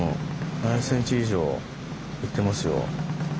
７０ｃｍ以上いってますよ。